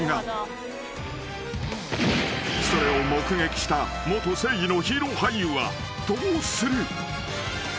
［それを目撃した元正義のヒーロー俳優はどうする？］